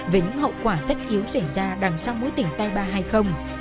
về những hậu quả tất yếu xảy ra đằng sau mối tỉnh tay ba hay không